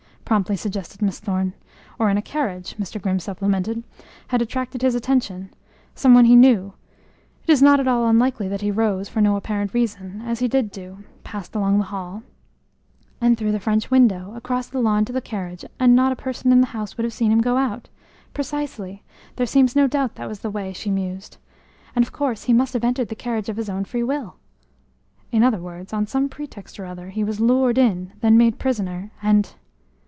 promptly suggested Miss Thorne. "Or in a carriage," Mr. Grimm supplemented, "had attracted his attention some one he knew it is not at all unlikely that he rose, for no apparent reason, as he did do, passed along the hall " "And through the French window, across the lawn to the carriage, and not a person in the house would have seen him go out? Precisely! There seems no doubt that was the way," she mused. "And, of course, he must have entered the carriage of his own free will?" "In other words, on some pretext or other, he was lured in, then made prisoner, and